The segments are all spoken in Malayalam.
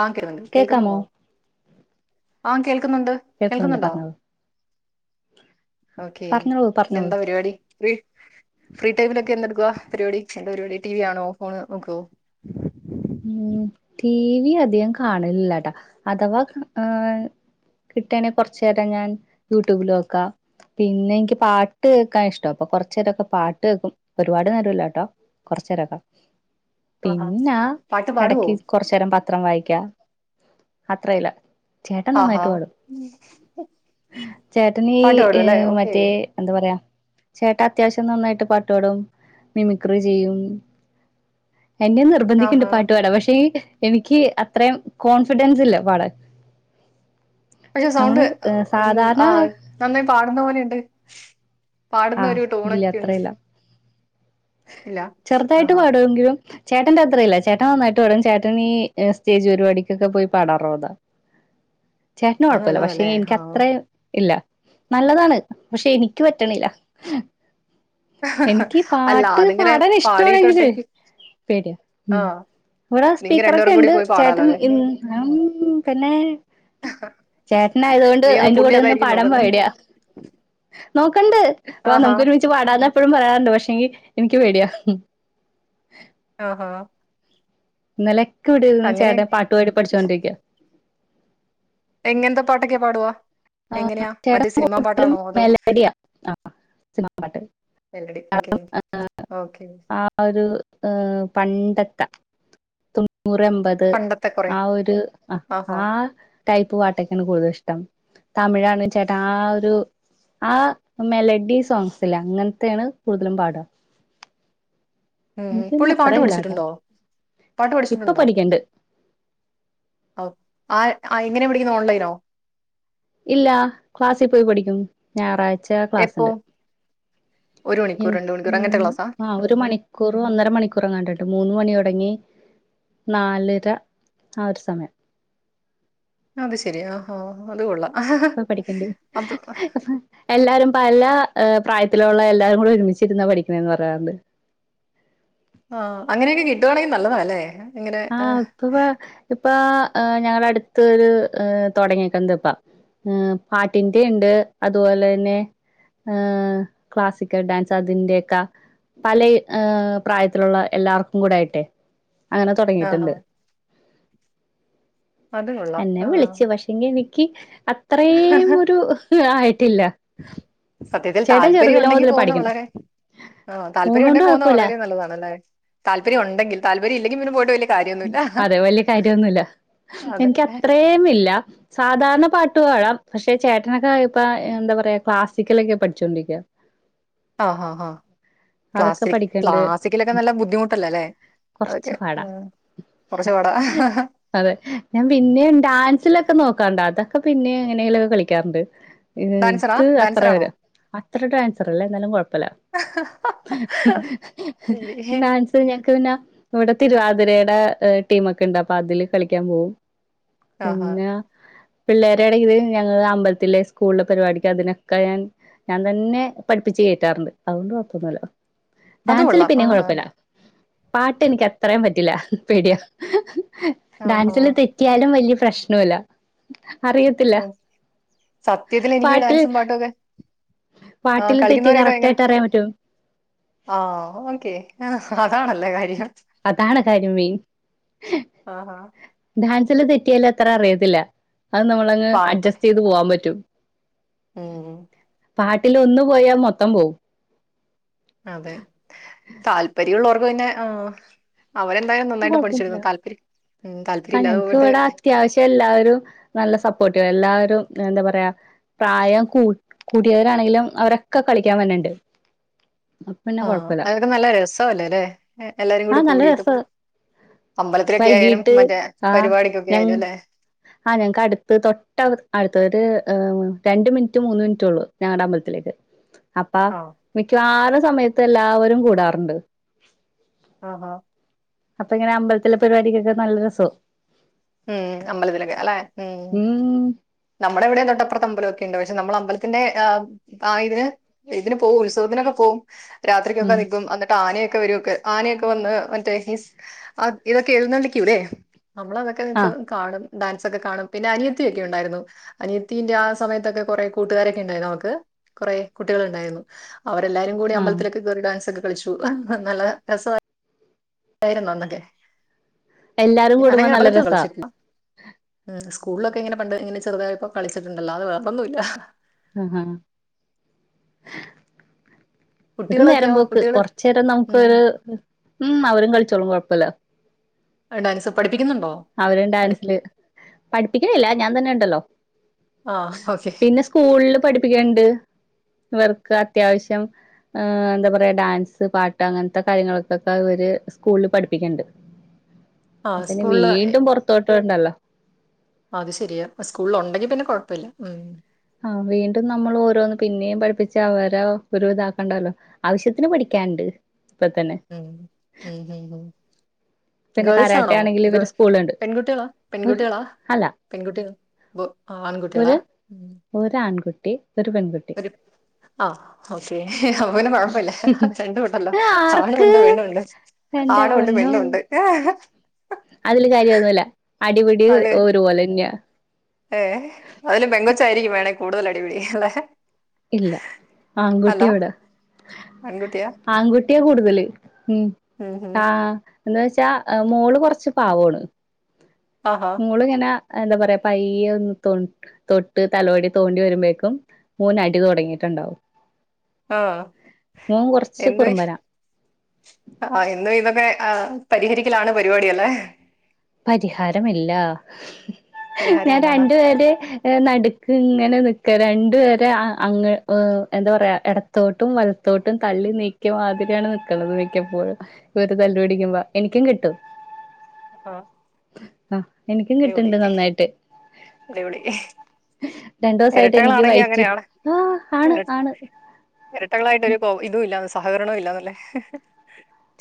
ആഹ് കേ കേക്കാമോ കേൾക്കുന്നുണ്ടോ ആ കേൾക്കുന്നുണ്ട്. കേക്കുന്നുണ്ട് കേൾക്കുന്നുണ്ടോ പറഞ്ഞോളൂ ഓക്കെ പറഞ്ഞോളൂ പിന്ന പറഞ്ഞോളൂ എന്താ പരിപാടി? ഫ്രീ ഫ്രീ ടൈമിലൊക്കെ എന്തെടുക്കുവ പരിപാടി എന്താ പരിപാടി ടി വി ആണോ ഫോൺ നോക്കോ? ഉം ടി വി അധികം കാണലില്ലാട്ട അഥവാ കിട്ട്ആണെ കൊറച്ചേരം ഞാൻ യൂട്യൂബിലോക്കാ പിന്നെ ഇൻക്ക് പാട്ട് കേക്കാൻ ഇഷ്ടാഅപ്പൊ കൊറച്ചേരൊക്ക പാട്ട് കേക്കും ഒരുപാട് നേരൊല്ലാട്ടോ കൊറച്ച് ഏരൊക്ക ആഹാ പിന്നാ പാട്ട് പാടുവോ എടക്ക് കൊറെച്ചേരം പത്രം വായിക്ക അത്രയില്ല ചേട്ടൻ ആഹാ നന്നായിട്ട് പാടും ചേട്ടനീ പാട്ട് പാടും അല്ലേ ഓക്കേ മറ്റേ എന്താ പറയാ ചേട്ടാ അത്യാവശ്യം നന്നായിട്ട് പാട്ട്പാടും മിമിക്രിചെയ്യും എന്റെ നിർ ഇണ്ട് ആഹാ പാട്ട്പാടാൻ പക്ഷെ എനിക്ക് അത്രയും കോൺഫിഡൻസ് ഇല്ല പാടാൻ പക്ഷെ സൗണ്ട് നമ്മള് ഏഹ് ഉം സാധാരണ ആഹ് നന്നായി പാട്ന്ന പോലെയ്ണ്ട് പാട്ന്ന ഒര് ടൂണൊക്കെയുണ്ട് ചെറ്തായിട്ട് ആഹാ പാടുവെങ്കിലും ചേട്ടന്റെ അത്രയില്ല ചേട്ടൻ നന്നായിട്ട് പാടും ചേട്ടൻ ഈ സ്റ്റേജ് പരുവാടിക്കെക്കെ പോയി പടാറുള്ളതാ ചേട്ടന് അത് കാെഴപ്പല്ല പക്ഷെ നല്ലതല്ലേ ആ എനിക്കത്രേം ഇല്ല നല്ലതാണ് പക്ഷെ എനിക്ക് പറ്റ്ണില്ല എനിക്ക് അല്ല പാട്ട് അതിങ്ങനെ പാടൻ ഇഷ്ടമാണെങ്കിലൊയ് പാടിയിട്ടുണ്ടെങ്കിൽ പേടയാ ആ ഉം ഇവടെ നിങ്ങ സ്പീക്കറൊക്കെ രണ്ടുപേർക്കും കൂടി ഇണ്ട് പോയി പാടാലോ ചേട്ടൻ അല്ലെ ഇൻ ഉം പിന്നെ ചേട്ടന് ആയതുകൊണ്ട് എനിക്കൊന്ന് ഐന്റെ പുള്ളി കൂടെ ഒന്നും അതായിരിക്കും പാടാം നോക്കുന്നേ പോടിയാ നോക്കണ്ട് അപ്പ ആഹാ നമുക്ക് ഒരുമിച്ച് പാടാന്ന് എപ്പഴും പറയാറ്ണ്ട് പക്ഷെ എങ്കി എനിക്ക് പേടിയാ ഉം ആഹ്ഹാ ഇന്നലെക്കെ ഇവെടെര്ന്ന് അങ്ങനെ ചേട്ട്ൻ പാട്ടുപാടി പഠിച്ചാേണ്ടിരിക്കാ എങ്ങൻത്തെ പാട്ടൊക്കെ പാടുവാ എങ്ങനെയാ ചേട്ടൻ മറ്റേ സിനിമാ കൂടുതലും പാട്ടാണോ അതോ മെലഡിയാ ആ സിനിമ പാട്ട് മെല്ലടി ഓക്കെ ഓക്കെ ആ ഒരു പണ്ടത്ത തൊണ്ണൂറ് അമ്പ ത് പണ്ടത്തെ കൊറേ ആഹ് ഒരു ആഹാ ആഹ് ടൈപ്പ് പാട്ടൊക്കേണ് കൂടുതൽ ഇഷ്ടം തമിഴാണ് ചേട്ടാ ആഹ് ഒരു ആഹ് മെലഡി സോങ്സില് അങ്ങൻത്തേണ് കൂടുതലും പാട്അ ഏഹ് പിന്നെ പുള്ളി അത്ര പാട്ട് ഇല്ലാട്ടോ പഠിച്ചിട്ടുണ്ടോ പാട്ട് ഇപ്പൊ പഠിച്ചിട്ടുണ്ടോ പഠിക്കണ്ട് ഓഹ് ആഹ് ആഹ് എങ്ങനെയാ പഠിക്കുന്നത് ഓൺലൈനോ ഇല്ല ക്ലാസ്സിപോയി പഠിക്കും ഞാറാഴ്ച എപ്പോ? ക്ലാസ്ണ്ട് ഒരു മണിക്കൂർ എനിക്ക് രണ്ട് മണിക്കൂർ അങ്ങനത്തെ ഉം ക്ലാസ്സാ? ആഹ് ഉം ഉം. ഒര്മണി കൂറും ഒന്നര മണിക്കൂറ് എങ്ങാണ്ടാട്ട് മൂന്ന് മണിയാെടങ്ങി നാലര ആഹ് ഒരു സമയം അത് ശെരി ഓഹോ ഹോ അത് കൊള്ളാം ഇപ്പൊ പഠിക്കണ്ട് അത് എല്ലാരും പല പ്രായത്തിലുള്ള എല്ലാരുംകൂടിം ഒരുമിച്ച് ഇര്ന്നാ പഠിക്ക്ണത് എന്ന് പറയാറ്ണ്ട് ഓഹ് അങ്ങനെയെക്കെ കിട്ടുവാണെങ്കിൽ നല്ലതാല്ലേ ആഹ് ഇപ്പതാ ഇപ്പൊ ഞങ്ങളെ അട്ത്ത് ഒരു താെടങ്ങീക്ക്ണത് ഇപ്പാെ ഉം പാട്ടിന്റിംഇണ്ട് അതുപോലെ എന്നെ ഏഹ് ക്ലാസിക്കൽ ഡാൻസ് അതിന്റെയെക്ക പലൈ പ്രായത്തിലുള്ള എല്ലാർക്കും കൂടെ ആയിട്ടെ അങ്ങനെ ആഹാ താെടങ്ങിയിട്ട്ണ്ട് അത് കൊള്ളാം. ആ എന്നെയും വിളിച്ചു പക്ഷെങ്കി എനിക്ക് അത്രയും ഒരു ഇത് ആയിട്ടില്ല സത്യത്തിൽ ചേട്ടൻ താല്പര്യം ചെറുതിലെ ഉണ്ടെങ്കി മുതല് പാേവുന്ന പഠിക്ക്ണ്ട് വളരെ ആഹ് താൽപര്യം ഉണ്ടെ പോണോണ്ട് പോവുന്നത് കൊഴപ്പല്ല വളരെ നല്ലതാണല്ലേ താൽപര്യം ഉണ്ടെങ്കിൽ താൽപര്യംഇല്ലെങ്കി പിന്നെ പോയിട്ട് വെൽയെ ഉം അതെ വലിയ കാര്യയൊന്നുല്ല അതെ എനിക്ക് അത്രേംമില്ല സാധാരണ പാട്ട് പാടാം പക്ഷെ ചേട്ടനൊക്കെ ഇപ്പ എന്താ പറയാ ക്ലാസ്സിക്കലെക്കെ പഠിച്ചോണ്ടിരിക്കാ ആഹ് ഹ ഹ അതൊക്കെ ക്ലാസിക് പഠിക്ക്ണ്ട് ക്ലാസിക്കലെക്കെ നല്ല ബുദ്ധിമുട്ടല്ലല്ലേ കൊറച്ച് അതൊക്കെ പാടാം ഉം ഒരു ചൂടാ അഹഹാ അതെ ഞാൻ പിന്നെ ഡാൻസിലൊക്കെ നോക്കാണ്ട് അതൊക്കെ പിന്നെ എങ്ങനെലൊക്കെ കളിക്കാറുണ്ട് ഡാൻസറാ ഇത് അത്ര വര ഡാൻസറാണോ? അത്ര ഡാൻസർല്ലേ എന്നാലും കുഴപ്പല്ല ശരി ന [unintelligible] ഞങ്ങക്ക് പിന്നെ ഇവിടെ തിരുവാതിരയുടെ ടീമ ഒക്കെ ഇണ്ട അപ്പൊ അതില് കളിക്കാൻ പോകും ആഹാ പിന്നെ പിള്ളേരെ ഇടയ്ത് ഞങ്ങൾ അമ്പലത്തിലെ സ്കൂളിലെ പരിപാടിക്ക് അതിനൊക്കെ ഞാൻ ഞാൻ തന്നെ പഠിപ്പിച്ച് കേറ്റാറുണ്ട് അതുകൊണ്ട് കൊഴപ്പൊന്നല്ലോ അത് ഡാൻസില് കൊള്ളാം പിന്നെ ആഹ് കുഴപ്പില്ല പാട്ടനിക്ക് അത്രയും പറ്റില്ല പേടിയ ആഹാ ഡാൻസില് തെറ്റ് റ്റിയാലും വലിയ പ്രശ്നവല്ല അറിയത്തില്ല ഉം സത്യത്തിൽ എനിക്ക് ഈ പാട്ടിൽ ഡാൻസും പാട്ടും ഒക്കെ ആഹ് പാട്ടിൽ തെറ്റി കറക്റ്റ് ആയിട്ട് അറിയാൻ പറ്റോ ആഹ ഓക്കെ ആ അതാണല്ലോ കാര്യം അതാണ് കാര്യം മെയിൻ ആഹാ ഡാൻസിൽ തെറ്റിയാല അത്ര അറിയത്തില്ല അത് നമ്മളങ്ങ് അഡ്ജസ്റ്റ് ചെയ്ത് പോവാൻ പറ്റും ഉ പാട്ടിൽ ഒന്ന് പോയാൽ മൊത്തം പോവും അതെ താല്പര്യമുള്ളവർക്ക് പിന്നെ ആ അവരെന്തായാലും അത് നന്നായിട്ട് പഠിച്ചുടുക്ക കൊഴപ്പൊന്നുല്ല താപര്ം ഉം ആ താല്പര്യംല്ലാതെ ഞങ്ങക്ക് പോയിട്ട് ഇവിടെ അത്യാവശ്യം എല്ലാവരും നല്ല സപ്പോർട്ടീവ് എല്ലാവരും എന്താ പറയാ പ്രായം കു കൂട്ടിയവരാണെങ്കിലും അവരൊക്കെ കളിക്കാൻ വര്ണ്‌ണ്ട് ആഹ അതൊക്കെ നല്ല രസല്ലേ അല്ലേ എല്ലാരും ആ കൂടി നല്ല കൂടിട്ട് രസാ അമ്പലത്തിലൊക്കെ ആയാലും വൈകീട്ട് മറ്റേ ആ പരിപാടിക്കൊക്കെ ഞ ആയാലും അല്ലെ ആ ഞങ്ങൾക്ക് അടുത്ത് തൊട്ട അടുത് ഒര് രണ്ട് മിനിറ്റ് മൂന്ന് മിനിറ്റള്ളൂ ഞങ്ങളുടെ അമ്പലത്തിലേക്ക് [inaudible] അപ്പ ആഹ് മിക്കവാറും സമയത്ത് എല്ലാവരും കൂടാറുണ്ട് ആഹ അപ്പൊ ഇങ്ങനെ അമ്പലത്തിലെ പരിപാടിക്കൊക്കെ നല്ല രസാവും ഉം അമ്പലത്തിലൊക്കെ അല്ലെ ഉ ഉം നമ്മുടെ ഇവിടെ തൊട്ടപ്പുറത്ത് അമ്പലമൊക്കെ ഉണ്ട് പക്ഷെ നമ്മൾ അമ്പലത്തിന്റെ [unintelligible] ഇതിന് പോവും ഉത്സവത്തിനൊക്കെ പോവും രാത്രിക്കൊക്കെ ഉം നിക്കും അ ആനയൊക്കെ വരും ക്കെ വന്ന് ആനയൊക്കെ വന്ന് മറ്റേ അ ഇതൊക്കെ എഴുന്നള്ളിക്കൂലേ നമ്മളതൊക്കെ ഒക്കെ ആഹ് കാണും ഡാൻസ് ഒക്കെ കാണും പിന്നെ അനിയത്തി ഒക്കെ ഉണ്ടായിരുന്നു അനത്തിന്റെ ആ സമയത്തൊക്കെ കുറെ കൂട്ടുകാരൊക്കെ ഉണ്ടായിരുന്നു അവൾക്ക് കുറെ കുട്ടികളുണ്ടായിരുന്നു അവരെല്ലാരും കൂടെ ആഹ് അമ്പത്തിലൊക്കെയറി ഡാൻസ് ഒക്കെ കളിച്ചു നല്ല രസായിരുന്നു അന്നൊക്കെ എല്ലാരും കൂടുമ്പോ ഞാനങ്ങനെ നല്ല അമ്പലത്തിൽ രസാ കളിച്ചിട്ടില്ല ഉം സ്കൂളിലൊക്കെങ്ങനെ പണ്ട് ഇങ്ങനെ ചെറുതായി ഇപ്പോ കളിച്ചിട്ടുണ്ടല്ലോ അത് വേറൊന്നുല്ല ആ ഹഹ ഒരു നേരം കുട്ടികളൊക്കെയോ പോക്ക് കുട്ടികള് കൊറച്ച് നേരം നമുക്ക് ഉം ഒരു ഉം അവരും കളിച്ചോളും കൊഴപ്പല്ല ഡാൻസ് പഠിപ്പിക്കുന്നുണ്ടോ? അവരും പഠി ഡാൻസില് പഠിപ്പിക്കണില്ല ഞാൻ തന്നെ ഉണ്ടല്ലോ ആ ഓക്കെ സ്കൂളിൽ പഠിപ്പിക്കാണ്ട് ഇവർക്ക് അത്യാവശ്യം ആ എന്താ പറയാ ഡാൻസ് പാട്ട് അങ്ങനത്തെ കാര്യങ്ങൾക്കോക്കെ അവര് സ്കൂളിൽ പഠിപ്പിക്ൺണ്ട് ! ! ! ! ! ! ! ! ! ! അപ്പൊ പിന്നെ വീണ്ടും പുറത്തോട്ട് വിടണ്ടല്ലോ അത് ശരിയാ സ്കൂളിൽ ഉണ്ടെങ്കിൽ പിന്നെ കുഴപ്പല്ല ഉം ആഹ വീണ്ടും നമ്മൾ ഓരോന്ന് പിന്നെയും പഠിപ്പിച്ച് അവരെ ഒരു ഇതാക്കണ്ടല്ലോ ആവശ്യത്തിന് പഠിക്കാനുണ്ട് ഇപ്പ തന്നെ ഉം ഉം പിന്നെ ഗേൾസ് കരാട്ടെ ആണോ ആണെങ്കിൽ ഗേ ഇവര് സ്കൂളുണ്ട് പെൺകുട്ടികളാ ഒരു പെൺകുട്ടികളാ അല്ല പെൺകുട്ടി ബോ ആൺകുട്ടിയളാ ഒരു ഉം ഒരു ആൺകുട്ടി ഒരു പെൺകുട്ടി ആഹ് ഓക്കേ അപ്പൊ പിന്നെ കൊഴപ്പമില്ല രണ്ടും ഉണ്ടല്ലോ ആണും ആർക്ക് ഉണ്ട് പെണ്ണും ഉണ്ട് എന്റെ ആണും ഉണ്ട് പൊന്നോ പെണ്ണും ഉണ്ട് ആഹ് അതില് കാര്യമൊന്നും ഇല്ല അടിപിടി ഒരുപോലെ തന്നെയാ ഏഹ് അതിലും പെങ്കൊച്ചായിരിക്കും വേണേ കൂടുതൽ അടിപിടി അല്ലെ ഇല്ല അല്ല ആൺകുട്ടിയാ ഇവിടെ ആൺകുട്ടിയാ ആൺകുട്ടിയാ കൂടുതല് ഉം ഉം ഉം ആഹ് എന്ന് വെച്ചാ മോള് കുറച്ച് പാവമാണ് ആഹ് ആഹ് മോൾ ഇങ്ങനെ എന്താ പറയാ പയ്യ ഒന്ന് തൊ തൊട്ട് തലോടി തോണ്ടി വരുമ്പോഴേക്കും ഓന് അടി തുടങ്ങിയിട്ടുണ്ടാവും ആ മോൻ കുറച്ച് കുറുമ്പന ആഹ് എന്നും ഇതൊക്കെ പരിഹരിക്കലാണ് പരിപാടി അല്ലേ പരിഹാരമില്ല പരിഹാരം ഞാൻ ഇല്ലാന്ന് രണ്ടുപേരുടെയും നടുക്ക് ഇങ്ങനെ നിക്കല രണ്ടു പേരെ അങ്ങ് എന്താ പറയാ ഇട ത്തോട്ടും വലത്തോട്ടും തള്ളി നീക്കിയ മാതിരിയാണ് നിക്കണത് മിക്കപ്പോഴും ഇവർ തല്ലുപിടിക്കുമ്പോ എനിക്കും കിട്ടും ആഹ് ആഹ് എനിക്കും കിട്ടണ്ട് നന്നായിട്ട് ഇടപെടി രണ്ടൂസായിട്ട് എനിക്ക് ഇരട്ടകളാണെങ്കിൽ വയറ്റ് അങ്ങനെയാണ് ആഹ് ആണ് ആണ് എരട്ടകളായിട്ട് ഒരു പ്പോ ഇതുല്ലാതെ സഹകരണവും ഇല്ലാതല്ലേ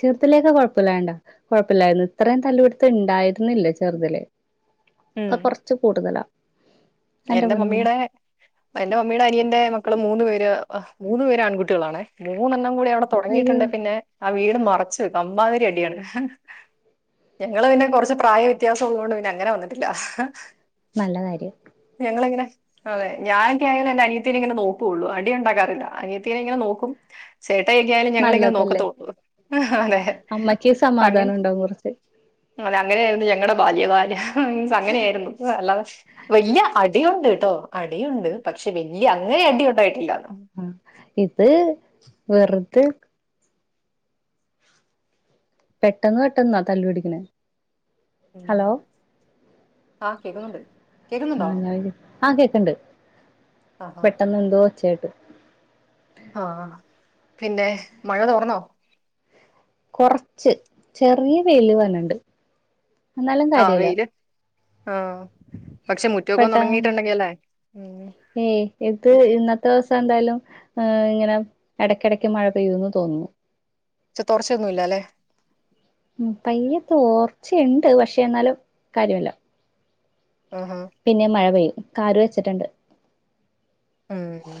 ചെറ്തിലെക്കൊ കുഴപ്പമില്ലാണ്ടാ കൊഴപ്പില്ലായിരുന്നു ഇത്രയും തല്ലുപിടുത്തം ഉണ്ടായിരുന്നില്ല ചെറ്തിലെ. ഉം ഇപ്പൊ കൊർച്ച് കൂടുതലാ. എന്റെ മമ്മീടെ എന്റെമമ്മീടെ അനിയന്റെ മക്കള് മൂന്ന് പേര് മൂന്ന് പേര് ആൺകുട്ടിയളാണ്. മൂന്നെണ്ണം കൂടി അവിടെ അയ്യോ തുടങ്ങിയിട്ടുണ്ടെ പിന്നെ ആഹ് വീട് മറച്ച് വേക്കും അമ്മാതിരി അടിയാണ്. ഞങ്ങള് പിന്നെ കൊറച്ച് പ്രായ വ്യത്യാസം ഉള്ളോണ്ട് പിന്നെ അങ്ങനെ വന്നിട്ടില്ല. നല്ലകാര്യം ഞങ്ങളിങ്ങനെ അതെ ഞാൻ കെയറി എന്റെ അനിയത്തിനെ ഇങ്ങനെ നോക്കുള്ളു അടിയുണ്ടാക്കാറില്ല. അനിയത്തിനെ ഇങ്ങനെ നോക്കും ചേട്ടായിയൊക്കെ ആയാലും ഞങ്ങളിങ്ങനെ നല്ലതല്ലേ നോക്കത്തോള്ളൂ. അതെ അമ്മക്ക് അങ്ങനെ സമാധാനം ഉണ്ടാവും കുറച്ച് അതെ അങ്ങനെയായിരുന്നു ഞങ്ങടെ ബാല്യ കാലം അങ്ങനെയിയിരുന്നു. അല്ലാതെ വല്ല്യ അടിയുണ്ട്ട്ടോ അടിയുണ്ട് പക്ഷെ വല്ല്യ അങ്ങനെ അടിയുണ്ടായിട്ടില്ലാത്രം. ആഹ് ഇത് വെറുതെ പെട്ടെന്ന് പെട്ടെന്നാ തല്ലുപടിക്ക്ണെ. ഉം ആഹ് കേക്കുന്നുണ്ട്. കേക്കുന്നുണ്ടോ നാലായിരം ആഹ് കേക്ക്ണ്ട് ആഹാ പെട്ടന്ന് എന്തോ ഒച്ചേട്ട്. ആഹ് പിന്നെ മഴ തോർന്നോ? കുർച്ച് ചെറിയ വെയില് വര്ന്ണ്ട്. ആഹ് വെയില് ആഹ് പക്ഷെ മുറ്റക്കൊ ഒന്ന് പെട്ടാ ഉണങ്ങിട്ടുണ്ടെങ്കി അല്ലേ ഉം പത്ത്സം എന്തായാലും ഇങ്ങനെ എടക്കെടക്ക് മഴ പെയ്യൂന്ന് തോന്നുന്നു ചെ തൊറച്ചയൊന്നുല്ലല്ലേ. ഉം പയ്യെ തോർച്ചയ്ണ്ട് പക്ഷേ എന്നാലും കാര്യല്ല. ആഹ് ആഹ് പിന്നെ മഴ പെയ്യും കാറ് വെച്ചിട്ടുണ്ട്. ഉം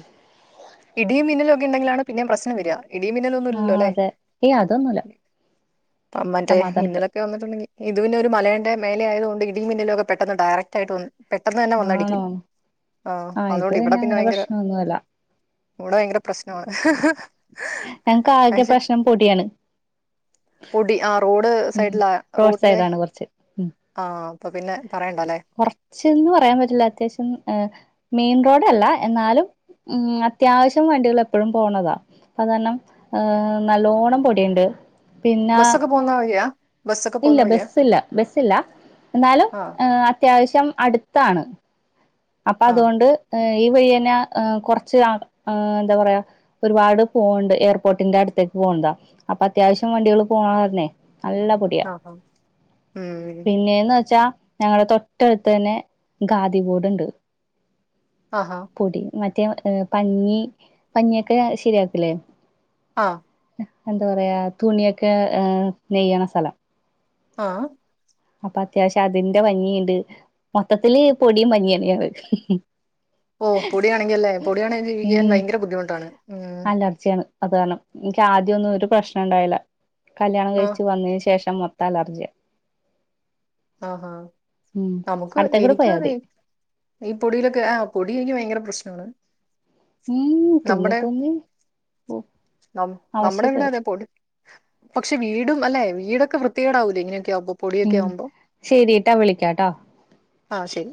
ഇടിയും മിന്നലൊക്കെ ഇണ്ടെങ്കിലാണ് പിന്നേം പ്രശ്നം വെരാ ഇടീം മിന്നലൊന്നും ആ ഇല്ലല്ലോലേ അതെ ഏയ് അതൊന്നുമില്ല ത മറ്റേ സമാധാനമുണ്ട് മിന്നലൊക്കെ വന്നിട്ടുണ്ടെങ്കി ഇത് പിന്നെ ഒരു മലേന്റെ മേലെ ആയത് കൊണ്ട് ഇടിം മിന്നലും ഒക്കെ പെട്ടെന്ന് ഡയറക്റ്റായിട്ട് വന്ന് പെട്ടെന്ന് തന്നെ വന്നടിക്കും ആണോ ആഹ് ആ ഇത് അതോണ്ട് ഇവിടെ പിന്നെ അങ്ങനെ ഭയെങ്കര പ്രശ്നമൊന്നുമല്ല ഇവടെ ഭയങ്കര പ്രശ്നമാണ് ഞങ്ങക്ക് ആകെ പക്ഷെ പ്രശ്നം പൊട്യാണ് പൊടി ആഹ് റോഡ് സൈഡ്ലാ റോഡ് റോഡ്ന്റെ സൈഡാണ് കുറച്ച് ആഹ് അപ്പ പിന്നെ പറയണ്ടാലേ കൊറെച്ച്ന്ന് പറയാൻ പറ്റില്ല അത്യാവശ്യം ഏഹ് മെയിൻ റോഡല്ല എന്നാലും ഉം അത്യാവശ്യം വണ്ടികള് എപ്പഴും പോണതാ അതാരണം ഏഹ് നല്ലോണം പൊടീണ്ട് ബസ്സൊക്കെ പോക്ന്ന വഴിയാ ബസ്സൊക്കെ ഇല്ല പോകുന്ന വഴിയാ ബെസ്സില്ല ബെസ്സില്ല എന്നാലും ആഹ് ഏഹ് അത്യാവ്ശ്യം അട്ത്താണ് അപ്പ ആഹ് അത്കൊണ്ട് ഈ വഴിന്നെ കൊർച്ച് ആ എന്താ പറയാ ഒരുപാട് പോവ്ണ്ട് ഏർപോർട്ടിന്റെ അട്ത്തേക്ക് പോണ്താ അപ്പ അത്യാവിശ്യം വണ്ടികള് പോണ കാര്ണെ നല്ല പൊ ട്യാ ആഹാ ഉം പിന്നേന്ന് വെച്ചാ ഞങ്ങളെ തൊട്ടട്ത്ത് തന്നെ ഖാദി ബോഡ്ണ്ട് ആഹാ പൊടി മറ്റേ പഞ്ഞി പഞ്ഞിയൊക്കെ ശെര്യാക്ക്ലേ ആഹ് എന്താ പറയാ തുണ്യൊക്കെ ഏഹ് നെയ്യണ സ്ഥലം ആഹ് അപ്പ അത്യാവ്ശ്യം അതിന്റെ പഞ്ഞിയ്ണ്ട് മൊത്തത്തില് പൊടിം പഞ്ഞിയെന്നേണ് ഓഹ് പൊടിയാണെങ്കി അല്ലേ പൊടിയാണെ ജീവിക്കാൻ ഭയെങ്കെര ബുദ്ധിമുട്ടാണ് ഉം ജ്യാണ് അത് കാരണം ഇൻക്ക് ആദ്യാെന്നും ഒര് പ്രശ്നണണ്ടായ്ല്ല കല്ല്യാണം ആഹ് കഴിച്ച് വന്നേന് ശേഷം മൊ അലർജ്യാ ആഹ് ഹാ ഉം നമുക്ക് അടുത്തേക്കൂടെ എനിക്കും പോയാ അതെ മതി ഈ പൊടിയിലൊക്കെ ആഹ് പൊടി എനിക്ക് ഭയങ്കര പ്രശ്നമാണ് ഉം തുമ്മി നമ്മ്ടെ തുമ്മി ഓ നം നമ്മ്ടെ ഇവിടെ അവശതയാവും അതെ പാെടി പക്ഷെ വീടും അല്ലെ വീടൊക്കെ വൃത്തികേടാവൂലെ ഇങ്ങനെയൊക്കൊവുമ്പോ പൊടിയൊക്കെയാവുമ്പോ ശെരീട്ടാ വിളിക്കാട്ടോ ആഹ് ശെരി